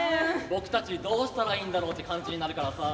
僕たちどうしたらいいんだろうって感じになるからさ。